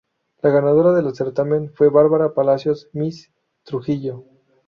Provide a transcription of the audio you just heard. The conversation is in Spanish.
La ganadora del certamen fue Bárbara Palacios, Miss Trujillo.